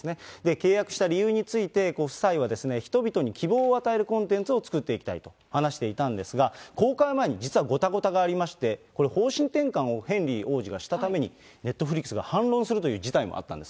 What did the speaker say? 契約した理由について、ご夫妻は、人々に希望を与えるコンテンツを作っていきたいと話していたんですが、公開前に実はごたごたがありまして、これ、方針転換をヘンリー王子がしたために、ネットフリックスが反論するという事態もあったんです。